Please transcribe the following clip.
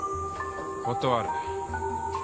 断る。